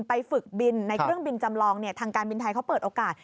ฝึกบินในเครื่องบินจำลองทางการบินไทยเขาเปิดโอกาส